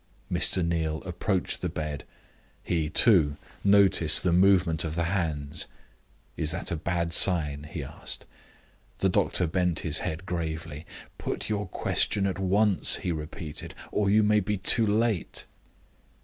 Mr. Neal approached the bed. He, too, noticed the movement of the hands. "Is that a bad sign?" he asked. The doctor bent his head gravely. "Put your question at once," he repeated, "or you may be too late."